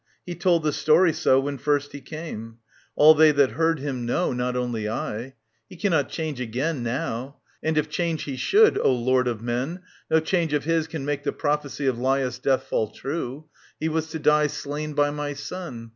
He told the story so When first he came. All they that heard him know, 48 VT. 850 870 OEDIPUS, KING OF THEBES Not only I. He cannot change again Now. And if change he should, O Lord of men, No change of his can make the prophecy Of Lalus' death fall true. He was to die Slain by my son.